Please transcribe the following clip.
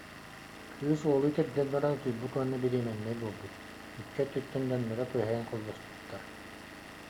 Кыыс уолу итирдэн баран утуйбут уонна бириэмэннэй буолбут, икки өттүттэн дьонноро күһэйэн холбоспуттар